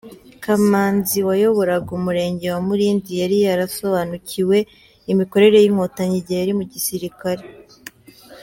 Kamanzi wayoboraga Umurenge wa Murundi yari yarasobanukiwe imikorere y’Inkotanyi igihe yari mu gisirikare.